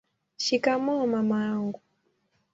shikamoo mama wangu